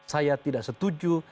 saya tidak setuju